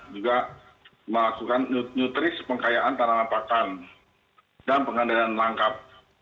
juga melakukan nutris pengkayaan tanaman pakan dan pengandalan langkap